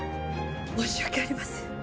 申し訳ありません。